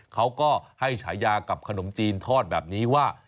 เขาก็ให้ฉายากับขนมจีนทอดแบบนี้ว่า